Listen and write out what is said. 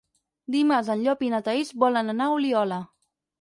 Dimarts en Llop i na Thaís volen anar a Oliola.